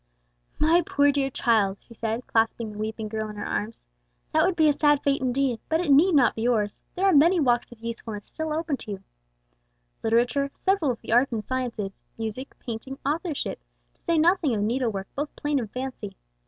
"My poor dear child!" she said clasping the weeping girl in her arms, "that would be a sad fate indeed, but it need not be yours; there are many walks of usefulness still open to you; literature, several of the arts and sciences, music, painting, authorship; to say nothing of needle work both plain and fancy.